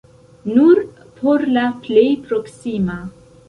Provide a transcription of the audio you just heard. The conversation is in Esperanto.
Nur por la plej proksima!